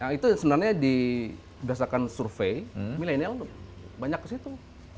itu sebenarnya di berdasarkan survei milenial banyak ke situ